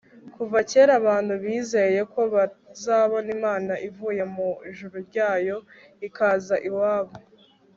kuva kera abantu bizeye ko bazabona imana ivuye mu ijuru ryayo, ikaza iwabo